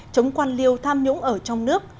chống quan liêu tham nhũng ở trong nước